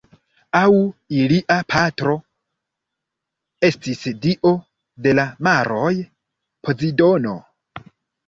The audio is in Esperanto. Aŭ ilia patro estis dio de la maroj Pozidono.